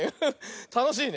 たのしいね。